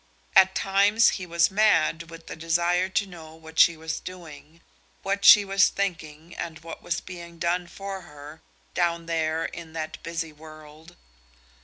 At times he was mad with the desire to know what she was doing, what she was thinking and what was being done for her down there in that busy world.